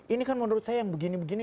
ini kan menurut saya yang begini begini